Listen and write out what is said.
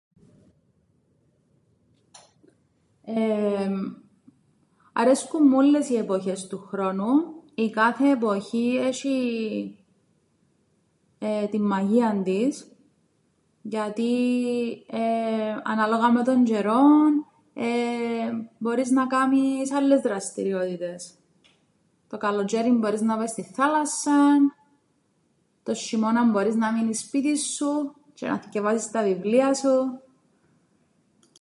Εεεμ, αρέσκουν μου ούλλες οι εποχές του χρόνου. Η κάθε εποχή έσ̆ει την μαγείαν της γιατί εεε ανάλογα με τον τζ̆αιρόν εεε μπορείς να κάμεις άλλες δραστηριότητες. Το καλοτζ̆αίριν μπορείς να πάεις στην θάλασσαν, τον σ̆ειμώναν μπορείς να μείνεις σπίτιν σου τζ̆αι να θκιεβάσεις τα βιβλία σου.